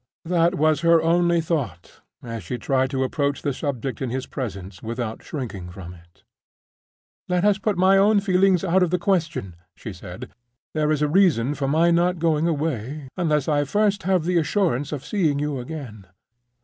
That was her only thought as she tried to approach the subject in his presence without shrinking from it. "Let us put my own feelings out of the question," she said. "There is a reason for my not going away, unless I first have the assurance of seeing you again.